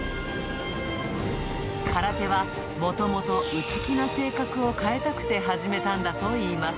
空手はもともと内気な性格を変えたくて始めたんだといいます。